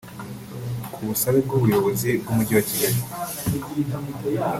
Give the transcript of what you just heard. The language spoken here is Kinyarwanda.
Ku busabe bw’Ubuyobozi bw’Umujyi wa Kigali